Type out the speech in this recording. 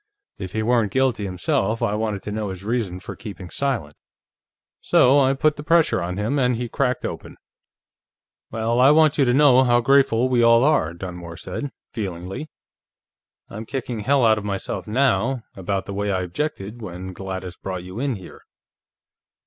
If he weren't guilty himself, I wanted to know his reason for keeping silent. So I put the pressure on him, and he cracked open." "Well, I want you to know how grateful we all are," Dunmore said feelingly. "I'm kicking hell out of myself, now, about the way I objected when Gladys brought you in here.